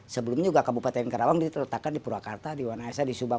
sebelumnya juga kabupaten karawang itu terletakkan di purwakarta di wanaisa di subang